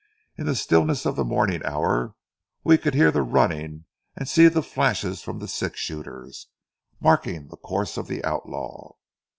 In the stillness of the morning hour, we could hear the running and see the flashes from six shooters, marking the course of the outlaw.